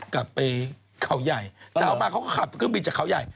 กลับไปเขาใหญ่เช้ามาเขาก็ขับเครื่องบินจากเขาใหญ่